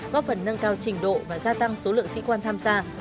góp phần nâng cao trình độ và gia tăng số lượng sĩ quan tham gia